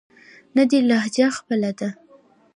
نه دې لهجه خپله ده.